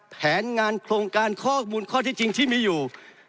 แผนงานโครงการข้อมูลข้อที่จริงที่มีอยู่